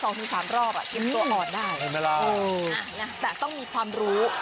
ถึงสามรอบอ่ะเก็บตัวอ่อนได้เอออ่ะนะแต่ต้องมีความรู้